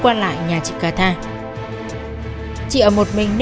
anh giết ai